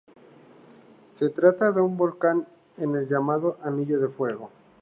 Se trata de un volcán en el llamado "Anillo de Fuego".